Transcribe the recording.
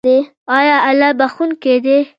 آیا الله بخښونکی دی؟